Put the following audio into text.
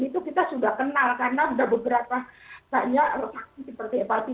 itu kita sudah kenal karena sudah beberapa banyak lokasi seperti apa